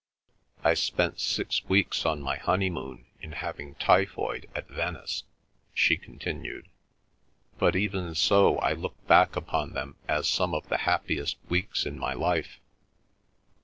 "I spent six weeks on my honeymoon in having typhoid at Venice," she continued. "But even so, I look back upon them as some of the happiest weeks in my life.